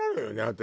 私。